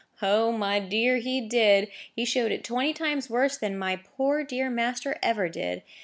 O, my dear, he did! He showed it twenty times worse than my poor dear master ever did.